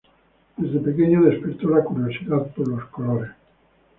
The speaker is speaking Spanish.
Desde pequeño despertó la curiosidad por los colores.